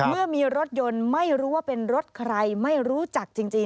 เมื่อมีรถยนต์ไม่รู้ว่าเป็นรถใครไม่รู้จักจริง